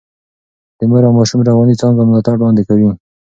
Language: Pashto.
د مور او ماشوم رواني څانګه ملاتړ وړاندې کوي.